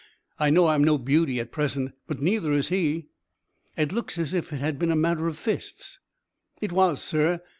"I know I'm no beauty at present, but neither is he." "It looks as if it had been a matter of fists?" "It was, sir.